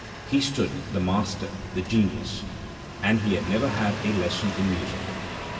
He stood, the master, the genius!'' And he had never had a lesson in music.